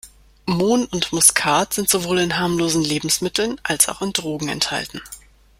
Mohn und Muskat sind sowohl in harmlosen Lebensmitteln, als auch in Drogen enthalten.